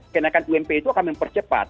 kenaikan ump itu akan mempercepat